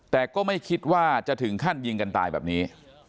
แต่ก็ไม่คิดว่าจะถึงขั้นยิงกันตายแบบนี้